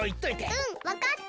うんわかった。